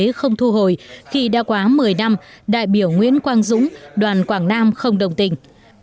kinh tế không thu hồi khi đã quá một mươi năm đại biểu nguyễn quang dũng đoàn quảng nam không đồng tình